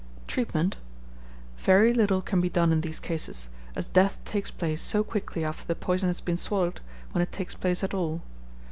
Treatment. Very little can be done in these cases, as death takes place so quickly after the poison has been swallowed, when it takes place at all.